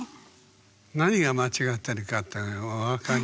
何が間違ってるかっていうのお分かり？